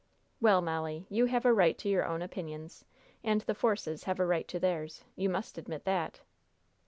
"Well, Molly, you have a right to your own opinions, and the Forces have a right to theirs. You must admit that!"